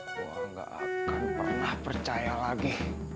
gue gak akan pernah percaya lagi